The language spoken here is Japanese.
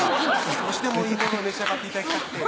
「少しでもいいもの召し上がって頂きたくて」